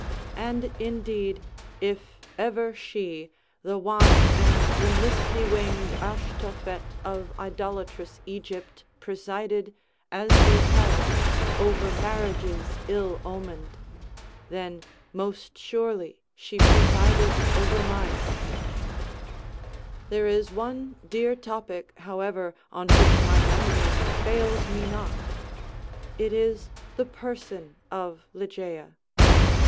And, indeed, if ever that spirit which is entitled Romance—if ever she, the wan and the misty winged Ashtophet of idolatrous Egypt, presided, as they tell, over marriages ill omened, then most surely she presided over mine. There is one dear topic, however, on which my memory fails me not. It is the person of Ligeia.